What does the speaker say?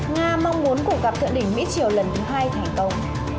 nga mong muốn của cặp thượng đỉnh mỹ triều lần thứ hai thành công